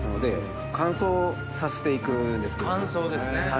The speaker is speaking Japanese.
乾燥ですね。